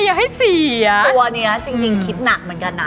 ตัวเนี้ยสิ่งคิดหนักเหมือนกันน่ะ